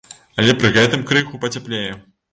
Але пры гэтым крыху пацяплее.